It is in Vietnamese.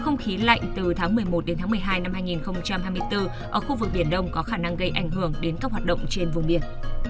năm hai nghìn hai mươi bốn ở khu vực biển đông có khả năng gây ảnh hưởng đến các hoạt động trên vùng biển